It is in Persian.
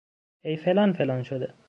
ای فلان فلان شده!